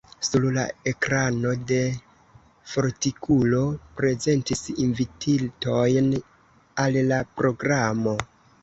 Sur la ekrano la fortikulo prezentis invititojn al la programo.